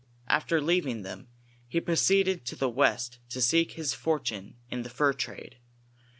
After leaving them, he proceeded to the west to seek his for tune in the fur trade.